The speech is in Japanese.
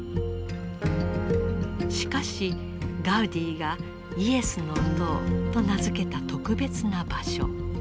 しかしガウディがイエスの塔と名付けた特別な場所。